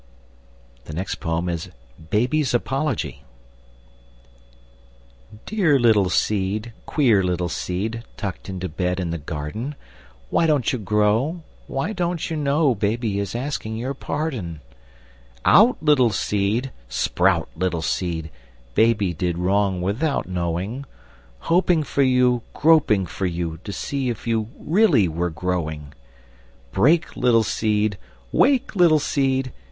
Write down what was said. _ [Illustration: Baby's Apology] BABY'S APOLOGY Dear little seed, queer little seed, Tucked into bed in the garden, Why don't you grow? Why, don't you know Baby is asking your pardon? Out, little seed! Sprout, little seed! Baby did wrong without knowing! Hoping for you, groping for you, To see if you really were growing. Break, little seed! Wake, little seed!